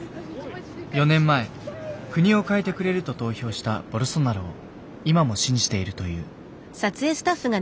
４年前国を変えてくれると投票したボルソナロを今も信じているという。